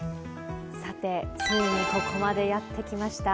ついにここまでやってきました。